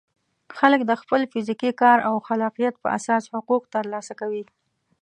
خلک د خپل فزیکي کار او خلاقیت په اساس حقوق ترلاسه کوي.